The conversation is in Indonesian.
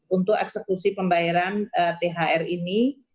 untuk eksekusi pembayaran thr ini